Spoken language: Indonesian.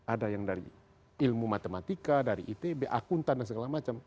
ada yang dari ilmu matematika dari itb akuntan dan segala macam